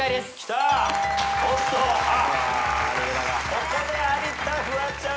ここで有田フワちゃん